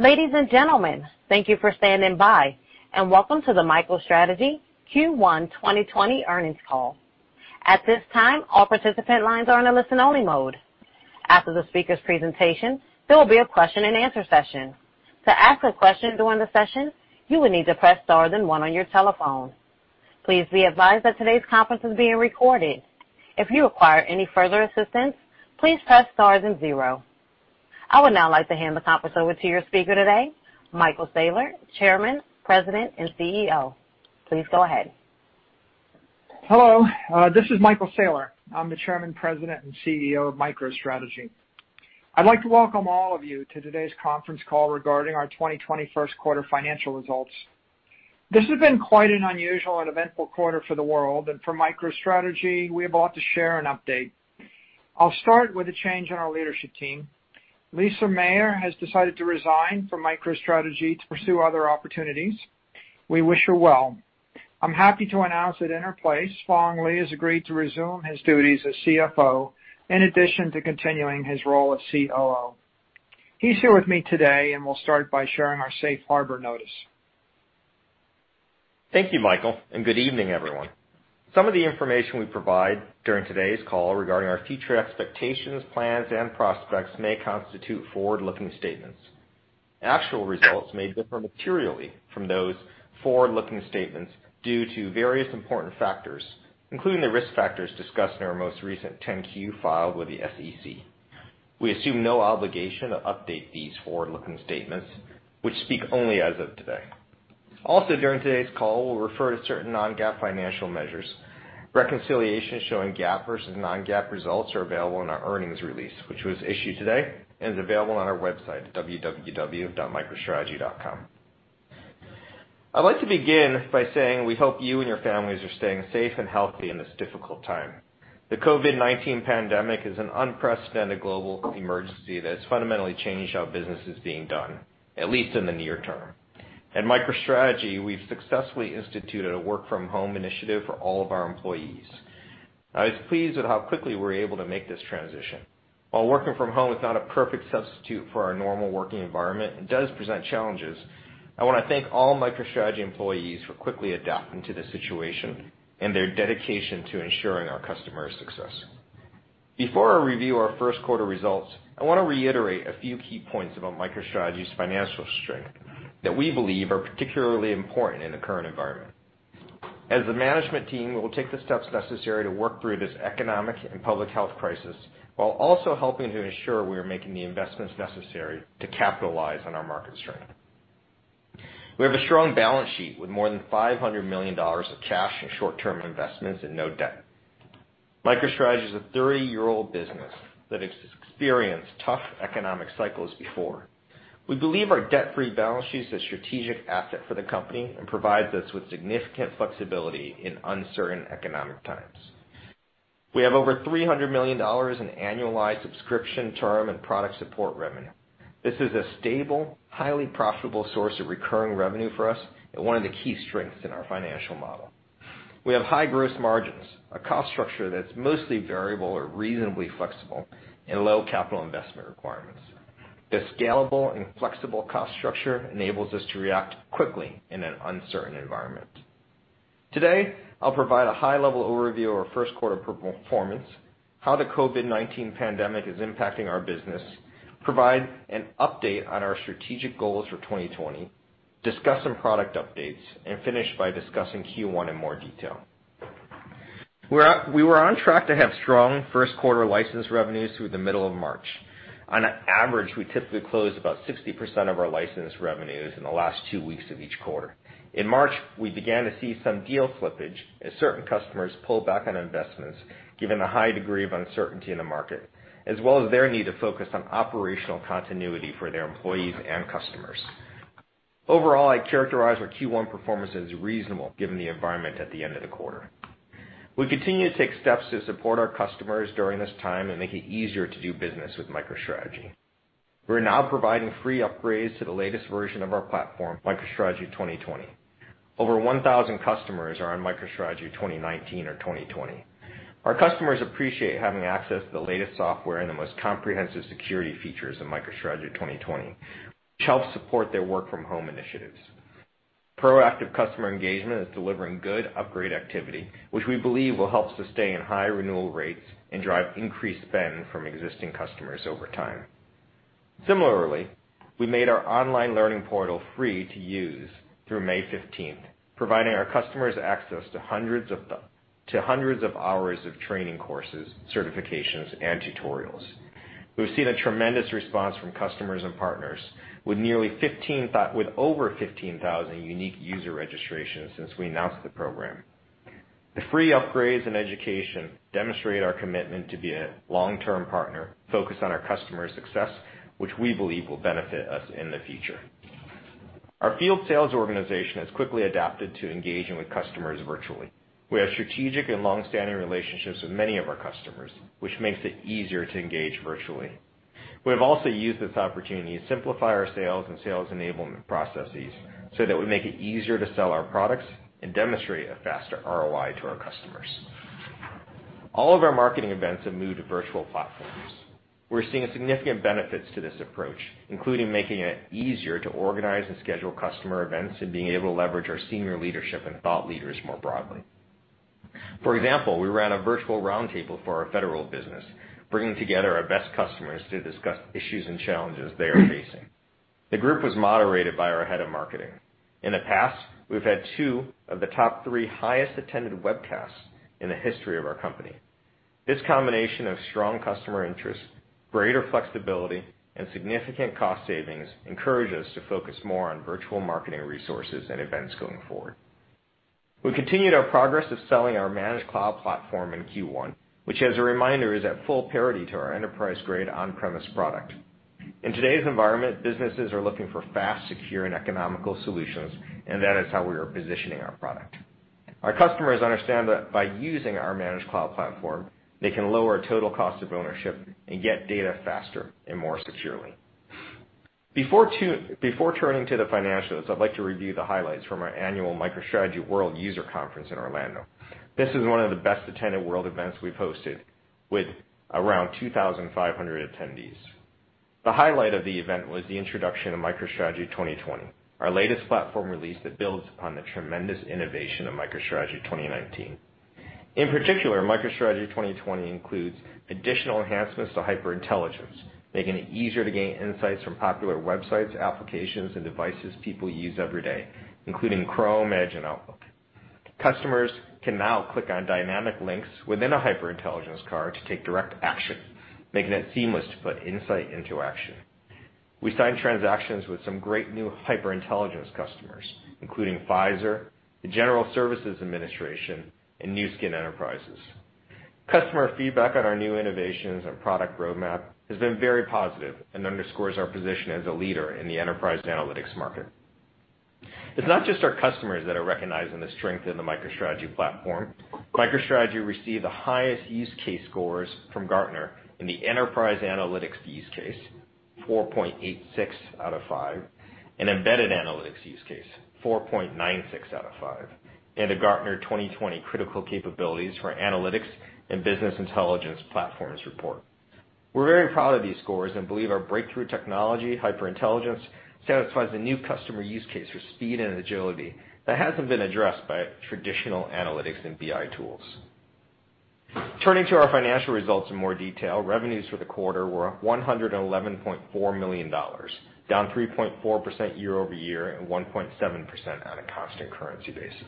Ladies and gentlemen, thank you for standing by, welcome to the MicroStrategy Q1 2020 Earnings Call. At this time, all participant lines are in a listen-only mode. After the speaker's presentation, there will be a question and answer session. To ask a question during the session, you will need to press star then one on your telephone. Please be advised that today's conference is being recorded. If you require any further assistance, please press star then zero. I would now like to hand the conference over to your speaker today, Michael Saylor, Chairman, President, and CEO. Please go ahead. Hello, this is Michael Saylor. I'm the Chairman, President, and CEO of MicroStrategy. I'd like to welcome all of you to today's conference call regarding our 2020 Q1 financial results. This has been quite an unusual and eventful quarter for the world, and for MicroStrategy, we have a lot to share and update. I'll start with a change in our leadership team. Lisa Mayr has decided to resign from MicroStrategy to pursue other opportunities. We wish her well. I'm happy to announce that in her place, Phong Le has agreed to resume his duties as CFO, in addition to continuing his role as COO. He's here with me today, and we'll start by sharing our safe harbor notice. Thank you, Michael, and good evening, everyone. Some of the information we provide during today's call regarding our future expectations, plans, and prospects may constitute forward-looking statements. Actual results may differ materially from those forward-looking statements due to various important factors, including the risk factors discussed in our most recent 10-Q filed with the SEC. We assume no obligation to update these forward-looking statements, which speak only as of today. Also, during today's call, we'll refer to certain non-GAAP financial measures. Reconciliation showing GAAP versus non-GAAP results are available in our earnings release, which was issued today, and is available on our website at www.microstrategy.com. I'd like to begin by saying we hope you and your families are staying safe and healthy in this difficult time. The COVID-19 pandemic is an unprecedented global emergency that's fundamentally changed how business is being done, at least in the near term. At MicroStrategy, we've successfully instituted a work-from-home initiative for all of our employees. I was pleased at how quickly we were able to make this transition. While working from home is not a perfect substitute for our normal working environment, it does present challenges. I want to thank all MicroStrategy employees for quickly adapting to the situation and their dedication to ensuring our customers' success. Before I review our Q1 results, I want to reiterate a few key points about MicroStrategy's financial strength that we believe are particularly important in the current environment. As the management team, we will take the steps necessary to work through this economic and public health crisis, while also helping to ensure we are making the investments necessary to capitalize on our market strength. We have a strong balance sheet with more than $500 million of cash and short-term investments and no debt. MicroStrategy is a 30-year-old business that has experienced tough economic cycles before. We believe our debt-free balance sheet is a strategic asset for the company and provides us with significant flexibility in uncertain economic times. We have over $300 million in annualized subscription term and product support revenue. This is a stable, highly profitable source of recurring revenue for us and one of the key strengths in our financial model. We have high gross margins, a cost structure that's mostly variable or reasonably flexible, and low capital investment requirements. This scalable and flexible cost structure enables us to react quickly in an uncertain environment. Today, I'll provide a high-level overview of our Q1 performance, how the COVID-19 pandemic is impacting our business, provide an update on our strategic goals for 2020, discuss some product updates, and finish by discussing Q1 in more detail. We were on track to have strong Q1 license revenues through the middle of March. On average, we typically close about 60% of our license revenues in the last two weeks of each quarter. In March, we began to see some deal slippage as certain customers pulled back on investments, given the high degree of uncertainty in the market, as well as their need to focus on operational continuity for their employees and customers. Overall, I'd characterize our Q1 performance as reasonable given the environment at the end of the quarter. We continue to take steps to support our customers during this time and make it easier to do business with MicroStrategy. We're now providing free upgrades to the latest version of our platform, MicroStrategy 2020. Over 1,000 customers are on MicroStrategy 2019 or 2020. Our customers appreciate having access to the latest software and the most comprehensive security features in MicroStrategy 2020, which helps support their work-from-home initiatives. Proactive customer engagement is delivering good upgrade activity, which we believe will help sustain high renewal rates and drive increased spend from existing customers over time. Similarly, we made our online learning portal free to use through May 15th, providing our customers access to hundreds of hours of training courses, certifications, and tutorials. We've seen a tremendous response from customers and partners with over 15,000 unique user registrations since we announced the program. The free upgrades and education demonstrate our commitment to be a long-term partner focused on our customers' success, which we believe will benefit us in the future. Our field sales organization has quickly adapted to engaging with customers virtually. We have strategic and long-standing relationships with many of our customers, which makes it easier to engage virtually. We've also used this opportunity to simplify our sales and sales enablement processes so that we make it easier to sell our products and demonstrate a faster ROI to our customers. All of our marketing events have moved to virtual platforms. We're seeing significant benefits to this approach, including making it easier to organize and schedule customer events and being able to leverage our senior leadership and thought leaders more broadly. For example, we ran a virtual roundtable for our federal business, bringing together our best customers to discuss issues and challenges they are facing. The group was moderated by our head of marketing. In the past, we've had two of the top three highest attended webcasts in the history of our company. This combination of strong customer interest, greater flexibility, and significant cost savings encourage us to focus more on virtual marketing resources and events going forward. We continued our progress of selling our managed cloud platform in Q1, which as a reminder, is at full parity to our enterprise-grade on-premise product. In today's environment, businesses are looking for fast, secure, and economical solutions, and that is how we are positioning our product. Our customers understand that by using our managed cloud platform, they can lower total cost of ownership and get data faster and more securely. Before turning to the financials, I'd like to review the highlights from our annual MicroStrategy World User Conference in Orlando. This is one of the best-attended World events we've hosted, with around 2,500 attendees. The highlight of the event was the introduction of MicroStrategy 2020, our latest platform release that builds upon the tremendous innovation of MicroStrategy 2019. In particular, MicroStrategy 2020 includes additional enhancements to HyperIntelligence, making it easier to gain insights from popular websites, applications, and devices people use every day, including Chrome, Edge, and Outlook. Customers can now click on dynamic links within a HyperIntelligence card to take direct action, making it seamless to put insight into action. We signed transactions with some great new HyperIntelligence customers, including Pfizer, the General Services Administration, and Nu Skin Enterprises. Customer feedback on our new innovations and product roadmap has been very positive and underscores our position as a leader in the enterprise analytics market. It's not just our customers that are recognizing the strength in the MicroStrategy platform. MicroStrategy received the highest use case scores from Gartner in the enterprise analytics use case, 4.86 out of 5, and embedded analytics use case, 4.96 out of 5, in the Gartner 2020 Critical Capabilities for Analytics and Business Intelligence Platforms report. We're very proud of these scores and believe our breakthrough technology, HyperIntelligence, satisfies the new customer use case for speed and agility that hasn't been addressed by traditional analytics and BI tools. Turning to our financial results in more detail, revenues for the quarter were $111.4 million, down 3.4% year-over-year and 1.7% on a constant currency basis.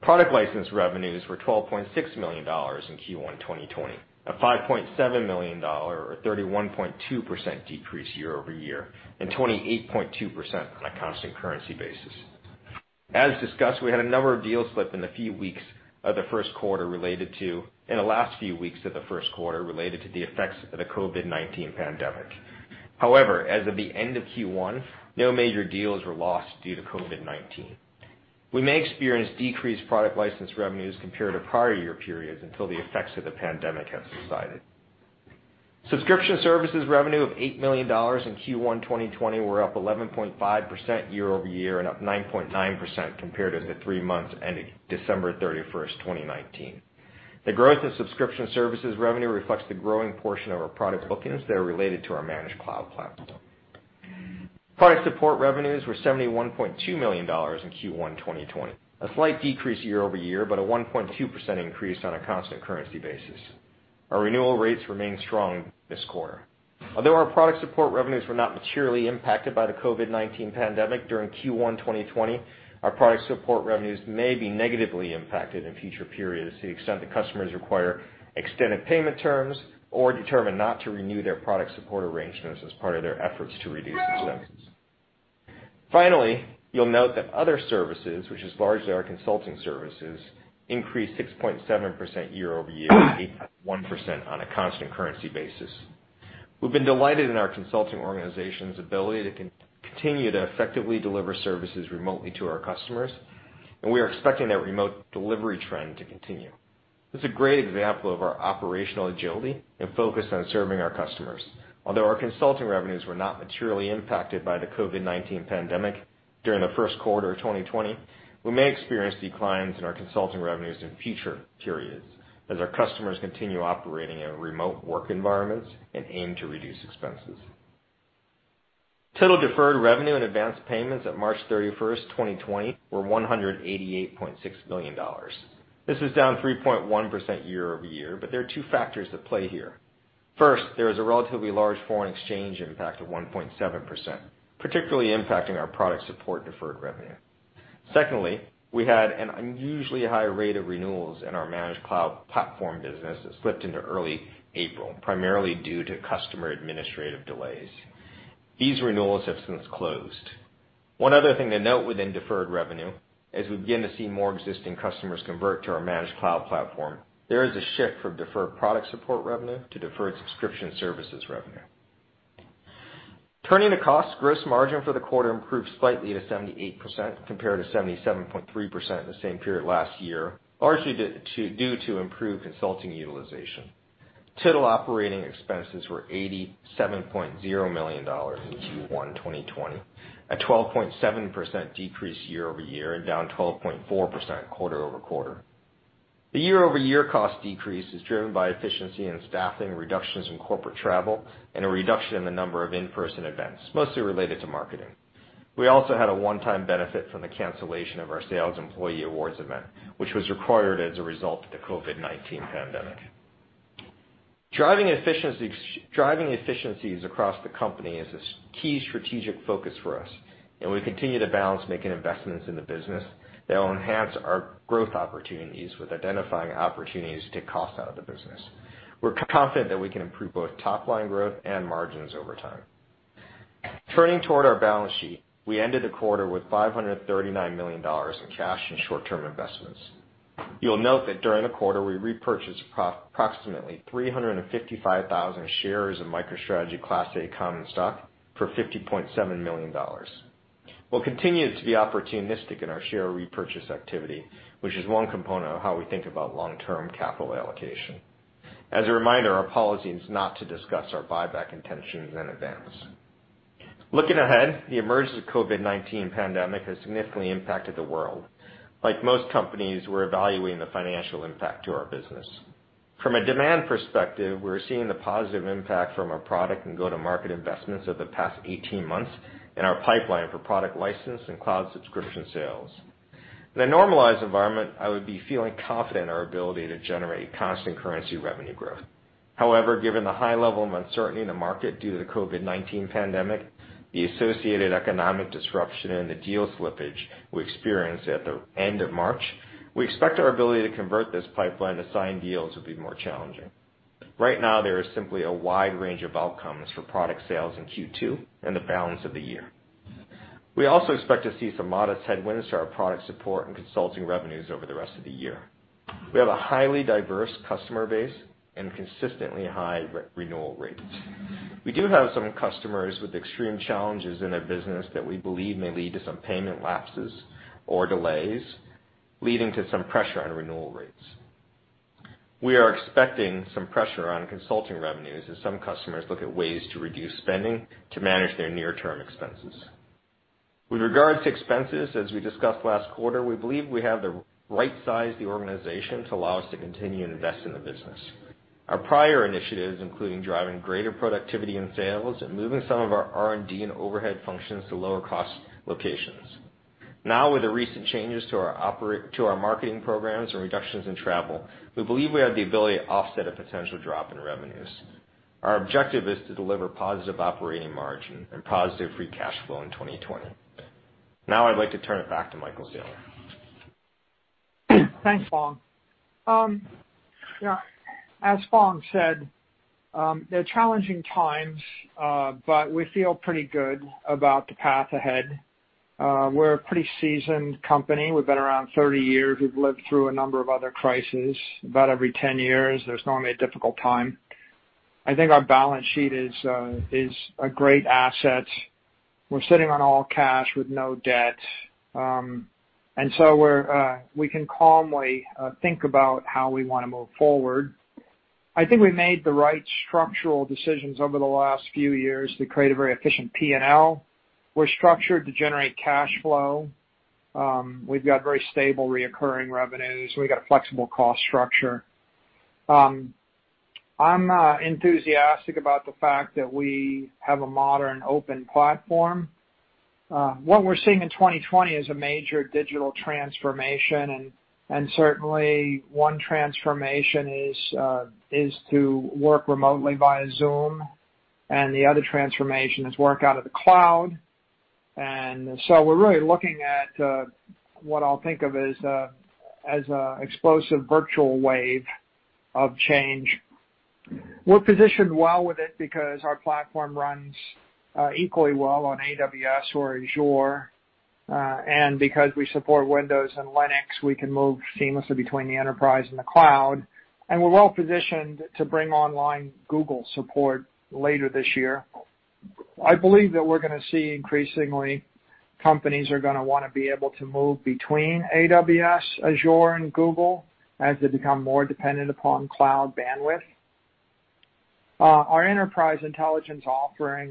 Product license revenues were $12.6 million in Q1 2020, a $5.7 million or 31.2% decrease year-over-year and 28.2% on a constant currency basis. As discussed, we had a number of deals slip in the last few weeks of the Q1 related to the effects of the COVID-19 pandemic. However, as of the end of Q1, no major deals were lost due to COVID-19. We may experience decreased product license revenues compared to prior year periods until the effects of the pandemic have subsided. Subscription services revenue of $8 million in Q1 2020 were up 11.5% year-over-year and up 9.9% compared to the three months ending December 31st, 2019. The growth in subscription services revenue reflects the growing portion of our product bookings that are related to our managed cloud platform. Product support revenues were $71.2 million in Q1 2020. A slight decrease year-over-year, but a 1.2% increase on a constant currency basis. Our renewal rates remain strong this quarter. Although our product support revenues were not materially impacted by the COVID-19 pandemic during Q1 2020, our product support revenues may be negatively impacted in future periods to the extent that customers require extended payment terms or determine not to renew their product support arrangements as part of their efforts to reduce expenses. You'll note that other services, which is largely our consulting services, increased 6.7% year-over-year and 8.1% on a constant currency basis. We've been delighted in our consulting organization's ability to continue to effectively deliver services remotely to our customers, and we are expecting that remote delivery trend to continue. This is a great example of our operational agility and focus on serving our customers. Although our consulting revenues were not materially impacted by the COVID-19 pandemic during the Q1 of 2020, we may experience declines in our consulting revenues in future periods as our customers continue operating in remote work environments and aim to reduce expenses. Total deferred revenue and advanced payments at March 31st, 2020, were $188.6 million. This is down 3.1% year-over-year. There are two factors at play here. First, there is a relatively large foreign exchange impact of 1.7%, particularly impacting our product support deferred revenue. Secondly, we had an unusually high rate of renewals in our managed cloud platform business that slipped into early April, primarily due to customer administrative delays. These renewals have since closed. One other thing to note within deferred revenue, as we begin to see more existing customers convert to our managed cloud platform, there is a shift from deferred product support revenue to deferred subscription services revenue. Turning to cost, gross margin for the quarter improved slightly to 78% compared to 77.3% in the same period last year, largely due to improved consulting utilization. Total operating expenses were $87.0 million in Q1 2020, a 12.7% decrease year-over-year, and down 12.4% quarter-over-quarter. The year-over-year cost decrease is driven by efficiency in staffing, reductions in corporate travel, and a reduction in the number of in-person events, mostly related to marketing. We also had a one-time benefit from the cancellation of our sales employee awards event, which was required as a result of the COVID-19 pandemic. Driving efficiencies across the company is a key strategic focus for us, and we continue to balance making investments in the business that will enhance our growth opportunities with identifying opportunities to take cost out of the business. We're confident that we can improve both top-line growth and margins over time. Turning toward our balance sheet, we ended the quarter with $539 million in cash and short-term investments. You'll note that during the quarter, we repurchased approximately 355,000 shares of MicroStrategy Class A common stock for $50.7 million. We'll continue to be opportunistic in our share repurchase activity, which is one component of how we think about long-term capital allocation. As a reminder, our policy is not to discuss our buyback intentions in advance. Looking ahead, the emergence of COVID-19 pandemic has significantly impacted the world. Like most companies, we're evaluating the financial impact to our business. From a demand perspective, we're seeing the positive impact from our product and go-to-market investments over the past 18 months in our pipeline for product license and cloud subscription sales. In a normalized environment, I would be feeling confident in our ability to generate constant currency revenue growth. However, given the high level of uncertainty in the market due to the COVID-19 pandemic, the associated economic disruption, and the deal slippage we experienced at the end of March, we expect our ability to convert this pipeline to signed deals will be more challenging. Right now, there is simply a wide range of outcomes for product sales in Q2 and the balance of the year. We also expect to see some modest headwinds to our product support and consulting revenues over the rest of the year. We have a highly diverse customer base and consistently high renewal rates. We do have some customers with extreme challenges in their business that we believe may lead to some payment lapses or delays, leading to some pressure on renewal rates. We are expecting some pressure on consulting revenues as some customers look at ways to reduce spending to manage their near-term expenses. With regards to expenses, as we discussed last quarter, we believe we have the right size the organization to allow us to continue to invest in the business. Our prior initiatives, including driving greater productivity in sales and moving some of our R&D and overhead functions to lower cost locations. Now, with the recent changes to our marketing programs and reductions in travel, we believe we have the ability to offset a potential drop in revenues. Our objective is to deliver positive operating margin and positive free cash flow in 2020. Now I'd like to turn it back to Michael Saylor. Thanks, Phong. As Phong said, they're challenging times, but we feel pretty good about the path ahead. We're a pretty seasoned company. We've been around 30 years. We've lived through a number of other crises. About every 10 years, there's normally a difficult time. I think our balance sheet is a great asset. We're sitting on all cash with no debt. We can calmly think about how we want to move forward. I think we made the right structural decisions over the last few years to create a very efficient P&L. We're structured to generate cash flow. We've got very stable recurring revenues. We got a flexible cost structure. I'm enthusiastic about the fact that we have a modern open platform. What we're seeing in 2020 is a major digital transformation, and certainly, one transformation is to work remotely via Zoom, and the other transformation is work out of the cloud. We're really looking at what I'll think of as an explosive virtual wave of change. We're positioned well with it because our platform runs equally well on AWS or Azure. Because we support Windows and Linux, we can move seamlessly between the enterprise and the cloud, and we're well-positioned to bring online Google support later this year. I believe that we're going to see, increasingly, companies are going to want to be able to move between AWS, Azure, and Google as they become more dependent upon cloud bandwidth. Our enterprise intelligence offering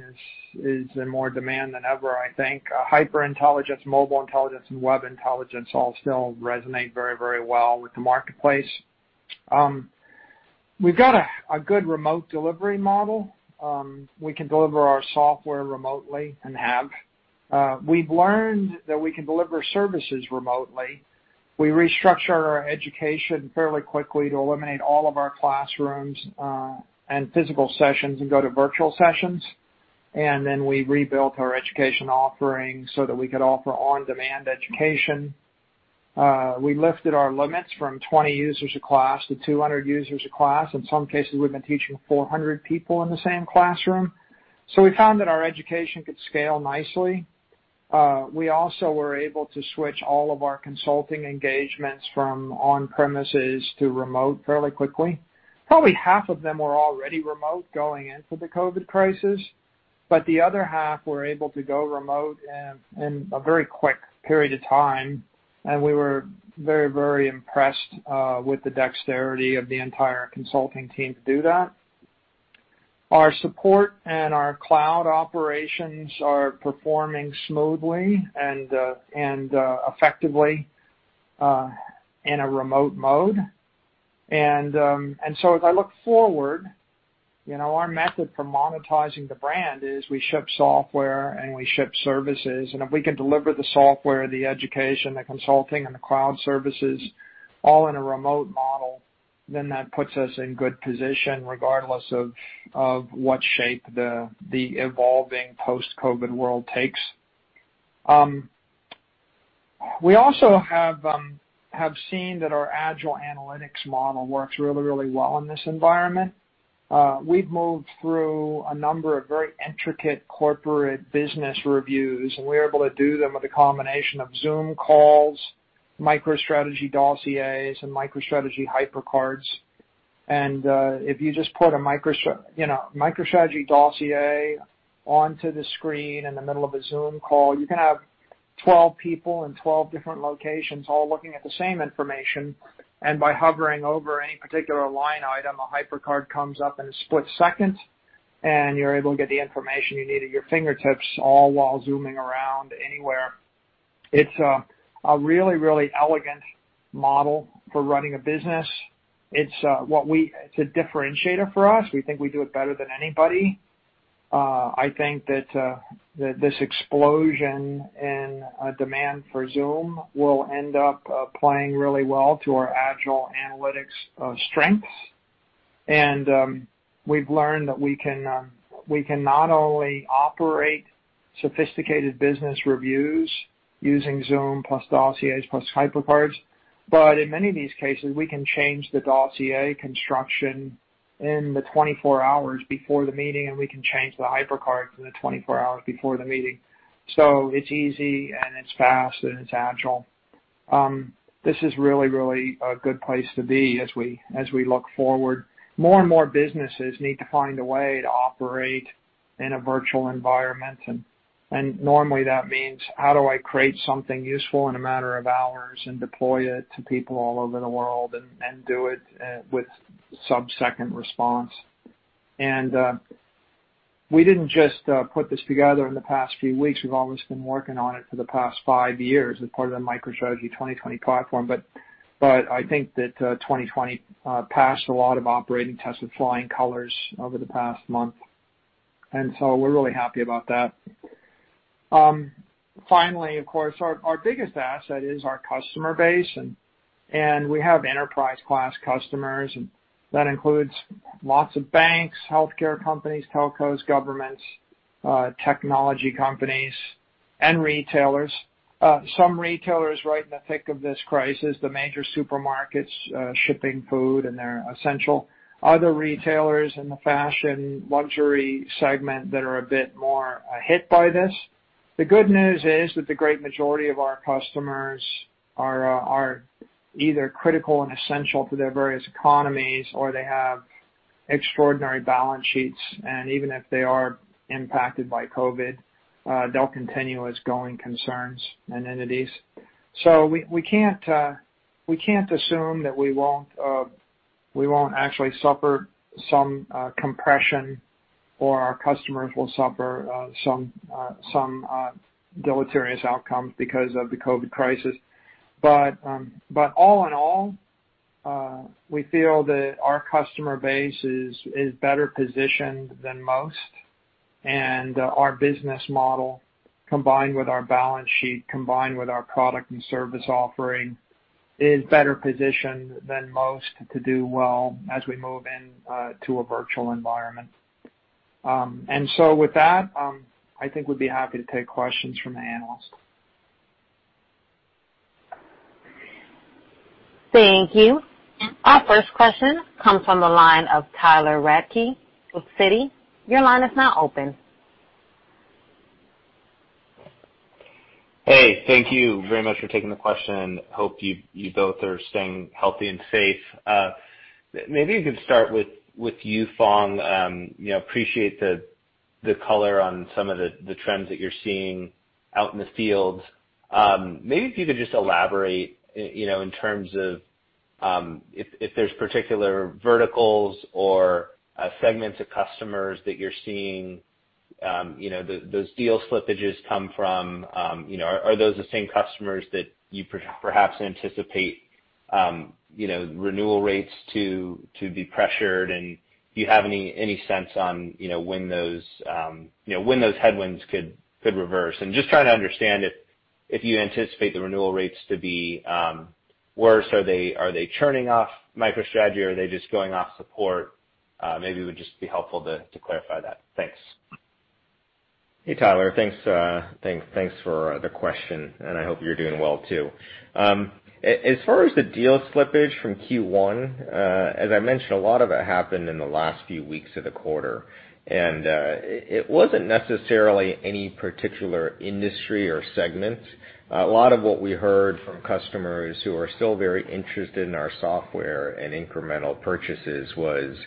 is in more demand than ever, I think. HyperIntelligence, Mobile Intelligence, and Web Intelligence all still resonate very well with the marketplace. We've got a good remote delivery model. We can deliver our software remotely, and have. We've learned that we can deliver services remotely. We restructured our education fairly quickly to eliminate all of our classrooms and physical sessions, and go to virtual sessions. We rebuilt our education offering so that we could offer on-demand education. We lifted our limits from 20 users a class to 200 users a class. In some cases, we've been teaching 400 people in the same classroom. We found that our education could scale nicely. We also were able to switch all of our consulting engagements from on-premises to remote fairly quickly. Probably half of them were already remote going into the COVID crisis, but the other half were able to go remote in a very quick period of time, and we were very, very impressed with the dexterity of the entire consulting team to do that. Our support and our cloud operations are performing smoothly and effectively in a remote mode. As I look forward, our method for monetizing the brand is we ship software and we ship services, and if we can deliver the software, the education, the consulting, and the cloud services all in a remote model, then that puts us in good position regardless of what shape the evolving post-COVID world takes. We also have seen that our agile analytics model works really, really well in this environment. We've moved through a number of very intricate corporate business reviews, and we're able to do them with a combination of Zoom calls, MicroStrategy Dossiers, and MicroStrategy HyperCards. If you just put a MicroStrategy Dossier onto the screen in the middle of a Zoom call, you can have 12 people in 12 different locations all looking at the same information, and by hovering over any particular line item, a HyperCard comes up in a split second, and you're able to get the information you need at your fingertips all while Zooming around anywhere. It's a really, really elegant model for running a business. It's a differentiator for us. We think we do it better than anybody. I think that this explosion in demand for Zoom will end up playing really well to our agile analytics strengths. We've learned that we can not only operate sophisticated business reviews using Zoom plus Dossiers plus HyperCards, but in many of these cases, we can change the Dossier construction in the 24 hours before the meeting, and we can change the HyperCards in the 24 hours before the meeting. It's easy and it's fast and it's agile. This is really, really a good place to be as we look forward. More and more businesses need to find a way to operate in a virtual environment, and normally that means how do I create something useful in a matter of hours and deploy it to people all over the world and do it with sub-second response? We didn't just put this together in the past few weeks. We've always been working on it for the past five years as part of the MicroStrategy 2020 platform. I think that 2020 passed a lot of operating tests with flying colors over the past month, and so we're really happy about that. Finally, of course, our biggest asset is our customer base, and we have enterprise-class customers, and that includes lots of banks, healthcare companies, telcos, governments, technology companies, and retailers. Some retailers right in the thick of this crisis, the major supermarkets shipping food and they're essential. Other retailers in the fashion luxury segment that are a bit more hit by this. The good news is that the great majority of our customers are either critical and essential to their various economies, or they have extraordinary balance sheets, and even if they are impacted by COVID-19, they'll continue as going concerns and entities. We can't assume that we won't actually suffer some compression or our customers will suffer some deleterious outcomes because of the COVID crisis. All in all, we feel that our customer base is better positioned than most, and our business model, combined with our balance sheet, combined with our product and service offering, is better positioned than most to do well as we move into a virtual environment. With that, I think we'd be happy to take questions from the analysts. Thank you. Our first question comes from the line of Tyler Radke with Citi. Your line is now open. Hey, thank you very much for taking the question. Hope you both are staying healthy and safe. Maybe I could start with you, Phong. Appreciate the color on some of the trends that you're seeing out in the field. Maybe if you could just elaborate, in terms of if there's particular verticals or segments of customers that you're seeing those deal slippages come from. Are those the same customers that you perhaps anticipate renewal rates to be pressured, and do you have any sense on when those headwinds could reverse? Just trying to understand if you anticipate the renewal rates to be worse. Are they churning off MicroStrategy or are they just going off support? Maybe it would just be helpful to clarify that. Thanks. Hey, Tyler. Thanks for the question, and I hope you're doing well too. As far as the deal slippage from Q1, as I mentioned, a lot of it happened in the last few weeks of the quarter. It wasn't necessarily any particular industry or segment. A lot of what we heard from customers who are still very interested in our software and incremental purchases was,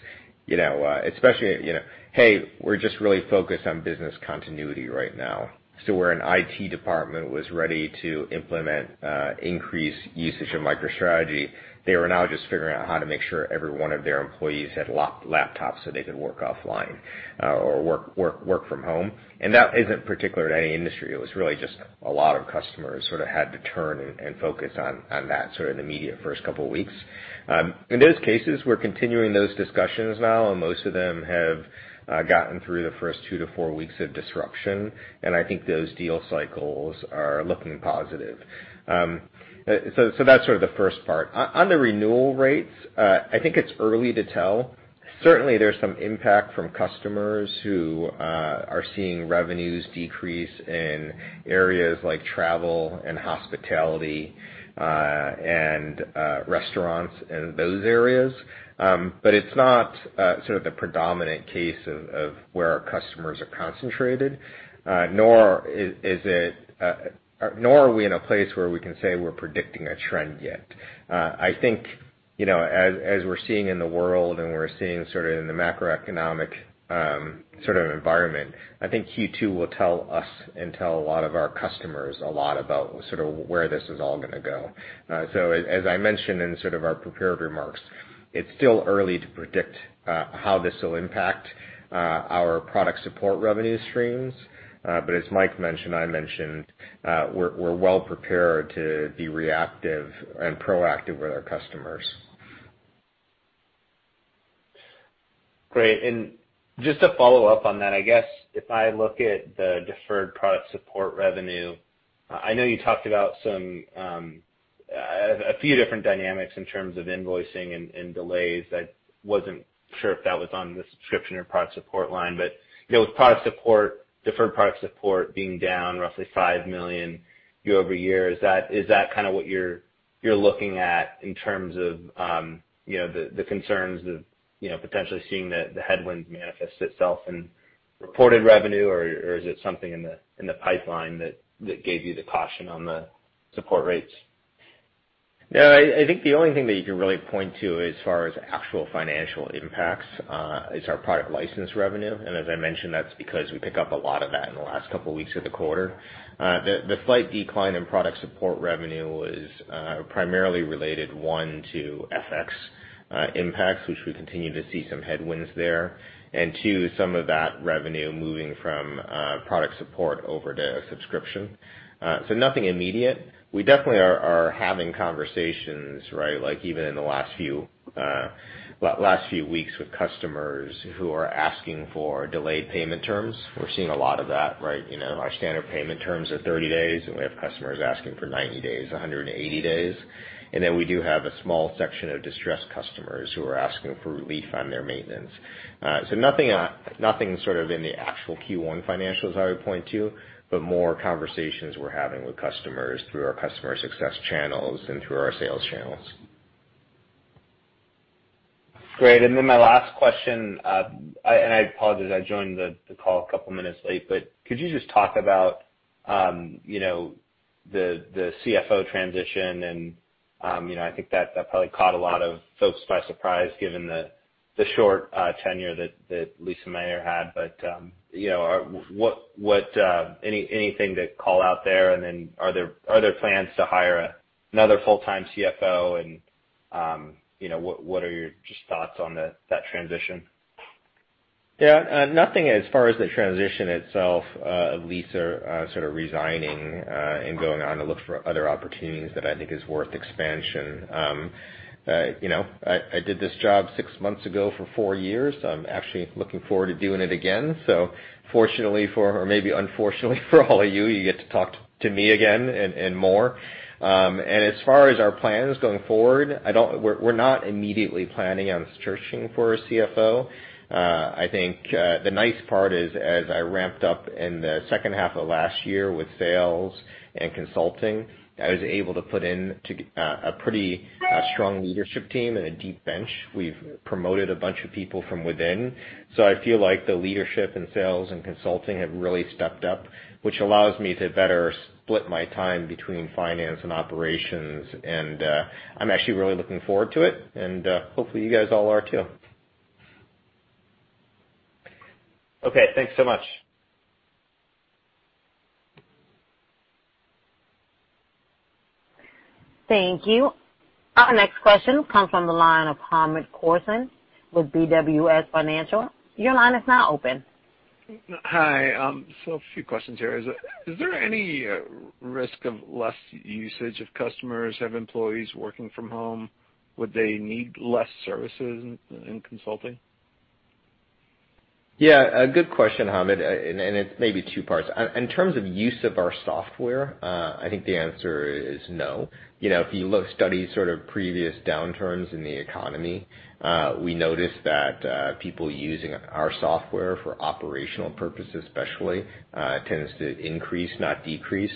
especially, hey, we're just really focused on business continuity right now. Where an IT department was ready to implement increased usage of MicroStrategy, they were now just figuring out how to make sure every one of their employees had laptops so they could work offline or work from home. That isn't particular to any industry. It was really just a lot of customers sort of had to turn and focus on that sort of in the immediate first couple of weeks. In those cases, we're continuing those discussions now, and most of them have gotten through the first two to four weeks of disruption, and I think those deal cycles are looking positive. That's sort of the first part. On the renewal rates, I think it's early to tell. Certainly, there's some impact from customers who are seeing revenues decrease in areas like travel and hospitality and restaurants and those areas. It's not sort of the predominant case of where our customers are concentrated nor are we in a place where we can say we're predicting a trend yet. I think, as we're seeing in the world and we're seeing sort of in the macroeconomic sort of environment, I think Q2 will tell us and tell a lot of our customers a lot about sort of where this is all going to go. As I mentioned in sort of our prepared remarks, it's still early to predict how this will impact our product support revenue streams. As Mike mentioned, I mentioned, we're well prepared to be reactive and proactive with our customers. Great. Just to follow up on that, I guess if I look at the deferred product support revenue, I know you talked about a few different dynamics in terms of invoicing and delays. I wasn't sure if that was on the subscription or product support line. With deferred product support being down roughly $5 million year-over-year, is that kind of what you're looking at in terms of the concerns of potentially seeing the headwinds manifest itself in reported revenue, or is it something in the pipeline that gave you the caution on the support rates? I think the only thing that you can really point to as far as actual financial impacts is our product license revenue. As I mentioned, that's because we pick up a lot of that in the last couple of weeks of the quarter. The slight decline in product support revenue was primarily related, one, to FX impacts, which we continue to see some headwinds there. Two, some of that revenue moving from product support over to subscription. Nothing immediate. We definitely are having conversations, right, like even in the last few weeks with customers who are asking for delayed payment terms. We're seeing a lot of that, right? Our standard payment terms are 30 days. We have customers asking for 90 days, 180 days. We do have a small section of distressed customers who are asking for relief on their maintenance. Nothing sort of in the actual Q1 financials I would point to, but more conversations we're having with customers through our customer success channels and through our sales channels. Great. My last question, and I apologize, I joined the call a couple of minutes late, but could you just talk about the CFO transition and I think that probably caught a lot of folks by surprise given the short tenure that Lisa Mayr had? Anything to call out there? Are there plans to hire another full-time CFO? What are your just thoughts on that transition? Yeah. Nothing as far as the transition itself of Lisa sort of resigning and going on to look for other opportunities that I think is worth expansion. I did this job six months ago for four years. I'm actually looking forward to doing it again. Fortunately for, or maybe unfortunately for all of you get to talk to me again and more. As far as our plans going forward, we're not immediately planning on searching for a CFO. I think the nice part is, as I ramped up in the second half of last year with sales and consulting, I was able to put in a pretty strong leadership team and a deep bench. We've promoted a bunch of people from within. I feel like the leadership in sales and consulting have really stepped up, which allows me to better split my time between finance and operations, and I'm actually really looking forward to it, and hopefully you guys all are too. Okay. Thanks so much. Thank you. Our next question comes from the line of Hamed Khorsand with BWS Financial. Your line is now open. Hi. A few questions here. Is there any risk of less usage if customers have employees working from home? Would they need less services in consulting? A good question, Hamed. It's maybe two parts. In terms of use of our software, I think the answer is no. If you study sort of previous downturns in the economy, we notice that people using our software for operational purposes especially, tends to increase, not decrease.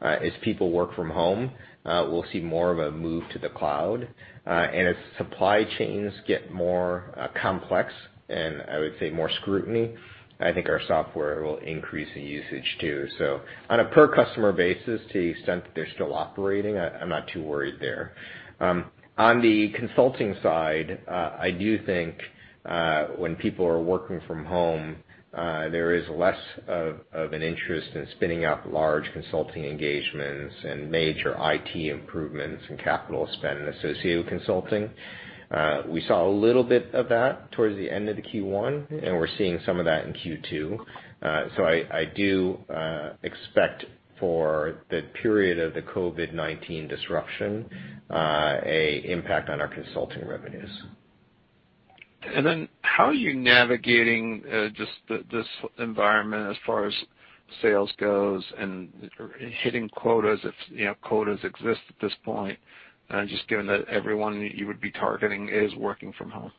As people work from home, we'll see more of a move to the cloud. As supply chains get more complex and I would say more scrutiny, I think our software will increase in usage too. On a per customer basis, to the extent that they're still operating, I'm not too worried there. On the consulting side, I do think when people are working from home, there is less of an interest in spinning out large consulting engagements and major IT improvements and capital spend associated with consulting. We saw a little bit of that towards the end of the Q1, and we're seeing some of that in Q2. I do expect for the period of the COVID-19 disruption, a impact on our consulting revenues. How are you navigating just this environment as far as sales goes and hitting quotas if quotas exist at this point, just given that everyone you would be targeting is working from home?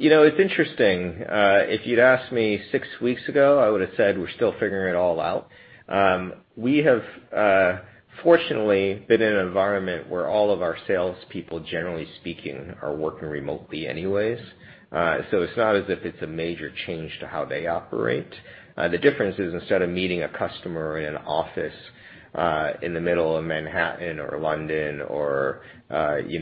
It's interesting. If you'd asked me six weeks ago, I would've said we're still figuring it all out. We have fortunately been in an environment where all of our sales people, generally speaking, are working remotely anyways. It's not as if it's a major change to how they operate. The difference is instead of meeting a customer in an office, in the middle of Manhattan or London or in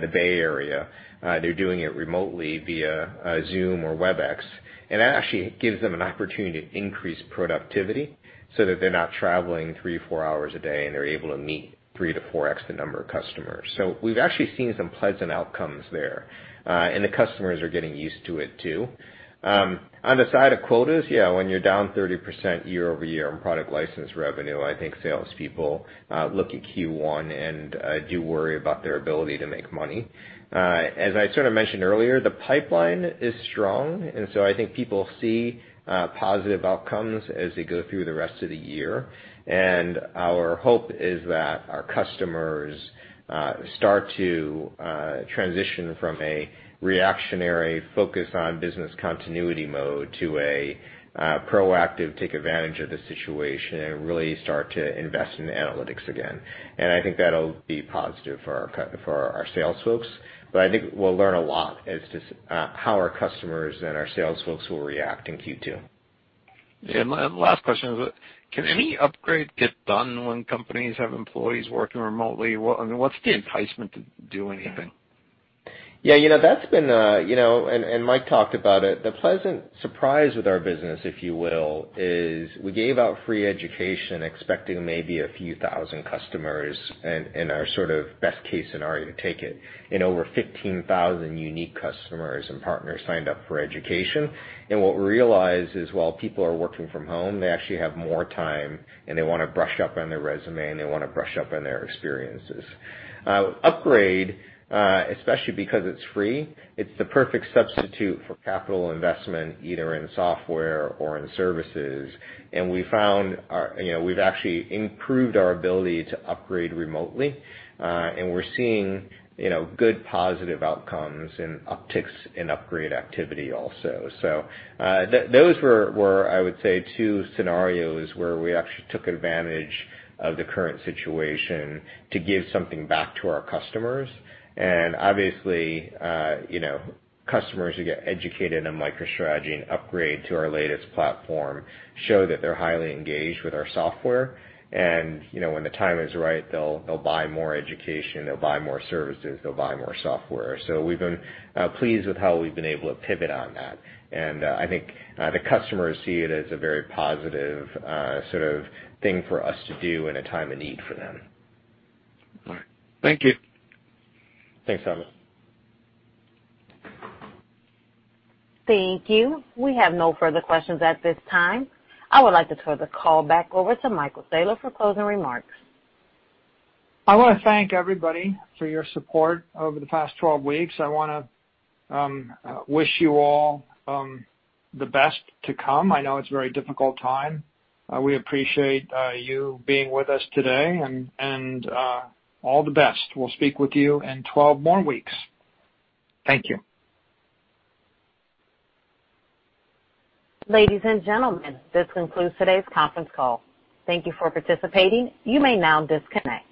the Bay Area, they're doing it remotely via Zoom or Webex. That actually gives them an opportunity to increase productivity so that they're not traveling three, four hours a day, and they're able to meet three to 4x the number of customers. We've actually seen some pleasant outcomes there. The customers are getting used to it, too. On the side of quotas, yeah, when you're down 30% year-over-year on product license revenue, I think salespeople look at Q1 and do worry about their ability to make money. As I sort of mentioned earlier, the pipeline is strong, and so I think people see positive outcomes as they go through the rest of the year. Our hope is that our customers start to transition from a reactionary focus on business continuity mode to a proactive take advantage of the situation and really start to invest in analytics again. I think that'll be positive for our sales folks. I think we'll learn a lot as to how our customers and our sales folks will react in Q2. Yeah. Last question is, can any upgrade get done when companies have employees working remotely? What's the enticement to do anything? Yeah, Mike talked about it. The pleasant surprise with our business, if you will, is we gave out free education expecting maybe a few thousand customers in our sort of best case scenario to take it, and over 15,000 unique customers and partners signed up for education. What we realized is while people are working from home, they actually have more time, and they want to brush up on their resume, and they want to brush up on their experiences. Upgrade, especially because it's free, it's the perfect substitute for capital investment, either in software or in services. We've actually improved our ability to upgrade remotely. We're seeing good positive outcomes and upticks in upgrade activity also. Those were, I would say, two scenarios where we actually took advantage of the current situation to give something back to our customers. Obviously, customers who get educated on MicroStrategy and upgrade to our latest platform show that they're highly engaged with our software. When the time is right, they'll buy more education, they'll buy more services, they'll buy more software. We've been pleased with how we've been able to pivot on that. I think the customers see it as a very positive sort of thing for us to do in a time of need for them. All right. Thank you. Thanks, Hamed. Thank you. We have no further questions at this time. I would like to turn the call back over to Michael Saylor for closing remarks. I want to thank everybody for your support over the past 12 weeks. I want to wish you all the best to come. I know it's a very difficult time. We appreciate you being with us today, and all the best. We'll speak with you in 12 more weeks. Thank you. Ladies and gentlemen, this concludes today's conference call. Thank you for participating. You may now disconnect.